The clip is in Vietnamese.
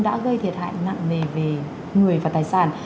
đã gây thiệt hại nặng nề về người và tài sản